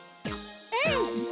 うん！